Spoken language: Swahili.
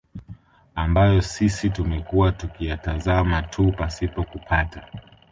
ambayo sisi tumekuwa tukiyatazama tu pasipo kupata